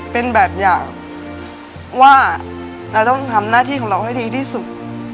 เป็นแบบอย่างว่าเราต้องทำหน้าที่ของเราให้ดีที่สุด